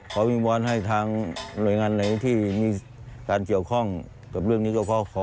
ขอบิวรรณ์ให้ทางหน่วยงานหนาที่มีการเกี่ยวข้องบางเรื่องนี้ควรขอฝากด้วย